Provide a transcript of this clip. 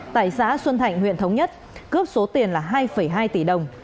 tại xã xuân thạnh huyện thống nhất cướp số tiền là hai hai tỷ đồng